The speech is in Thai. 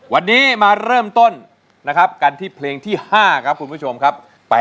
วันนี้มาเริ่มต้นนะครับกันที่เพลงที่๕ครับคุณผู้ชมครับ